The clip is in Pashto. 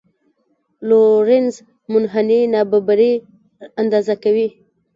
لورینز منحني نابرابري اندازه کوي.